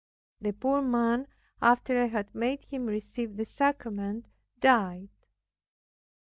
The poor man, after I had made him receive the sacrament, died.